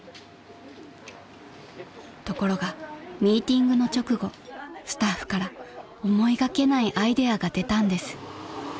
［ところがミーティングの直後スタッフから思いがけないアイデアが出たんです］